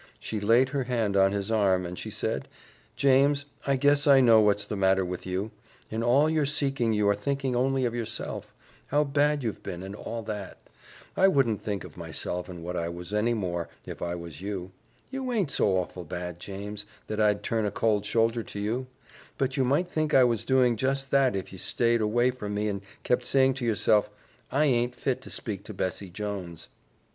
she laid her hand on his arm as she said, "James, I guess I know what's the matter with you. In all your seeking you are thinking only of yourself how bad you've been and all that. I wouldn't think of myself and what I was any more, if I was you. You aint so awful bad, James, that I'd turn a cold shoulder to you; but you might think I was doing just that if ye stayed away from me and kept saying to yourself, 'I aint fit to speak to Bessie Jones.'"